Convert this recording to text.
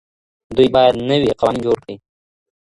دوی باید نوي قوانین جوړ کړي.